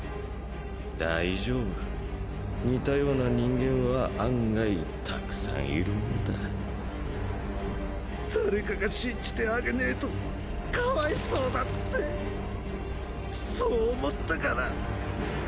大丈夫似たような人間は案外沢山いるもんだ誰かが信じてあげねえと可哀想だってそう思ったから。